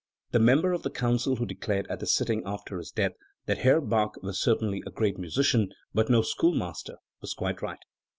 The member of the Council who declared, at the sitting after his death, that "Herr Bach was certainly a great musician, but no schoolmaster", was quite right.